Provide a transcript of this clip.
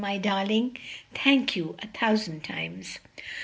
My darling, thank you a thousand times!"